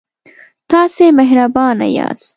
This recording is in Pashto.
تاسې مهربانه یاست.